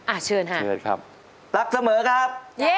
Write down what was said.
อ่าเชื่อน่ะครับ